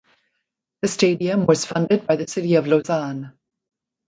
The stadium was funded by the City of Lausanne.